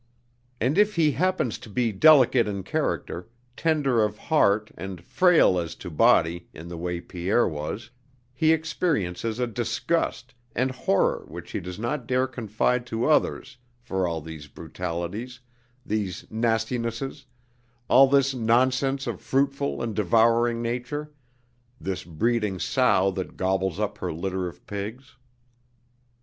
And if he happens to be delicate in character, tender of heart and frail as to body in the way Pierre was, he experiences a disgust and horror which he does not dare confide to others for all these brutalities, these nastinesses, all this nonsense of fruitful and devouring nature this breeding sow that gobbles up her litter of pigs.